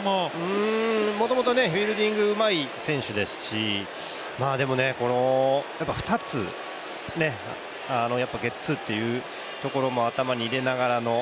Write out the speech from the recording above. うーんもともとフィールディングがうまい選手ですしでも２つゲッツーっていうところも頭に入れながらの。